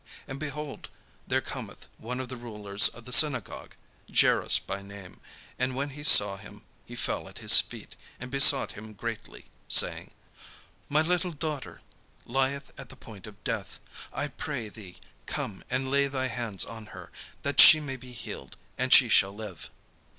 And, behold, there cometh one of the rulers of the synagogue, Jairus by name; and when he saw him, he fell at his feet, and besought him greatly, saying: "My little daughter lieth at the point of death: I pray thee, come and lay thy hands on her, that she may be healed; and she shall live."